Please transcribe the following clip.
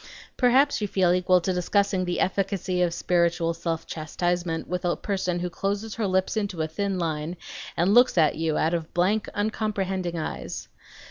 Perhaps you feel equal to discussing the efficacy of spiritual self chastisement with a person who closes her lips into a thin line and looks at you out of blank, uncomprehending eyes!